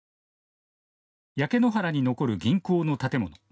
焼け野原に残る銀行の建物。